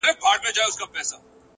صبر د ناوخته بریا ساتونکی وي!